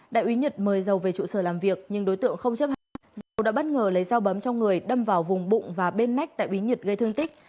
đại úy nhật mời dầu về trụ sở làm việc nhưng đối tượng không chấp hẳn dầu đã bất ngờ lấy dao bấm trong người đâm vào vùng bụng và bên nách đại úy nhật gây thương tích